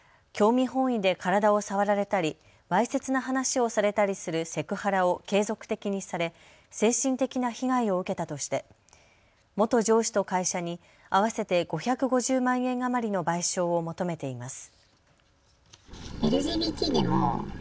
ハラや興味本位で体を触れたりわいせつな話をされたりするセクハラを継続的にされ精神的な被害を受けたとして元上司と会社に合わせて５５０万円余りの賠償を求めています。